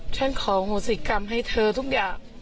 ฉันขอโหสิกรรมให้เธอทุกอย่าง